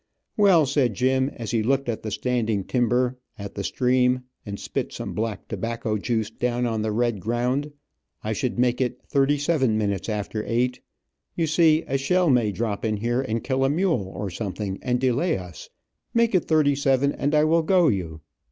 "Well," said Jim, as he looked at the standing timber, at the stream, and spit some black tobacco juice down on the red ground, "I should make it thirty seven minutes after eight. You see, a shell may drop in here and kill a mule, or something, and delay us. Make it thirty seven, and I will go you."